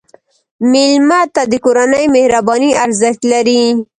مېلمه ته د کورنۍ مهرباني ارزښت لري.